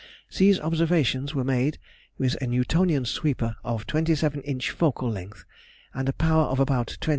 These observations were made with a Newtonian sweeper of 27 inch focal length, and a power of about 20.